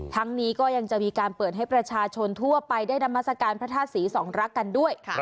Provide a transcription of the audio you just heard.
ทั้งนี้ก็ยังจะมีการเปิดให้ประชาชนทั่วไปได้นามัศกาลพระธาตุศรีสองรักกันด้วย